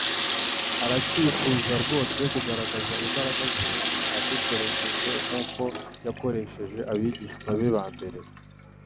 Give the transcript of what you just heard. Aracyifuza rwose kugaragaza imbaraga ze adukoresheje nk'uko yakoresheje abigishwa be ba mbere.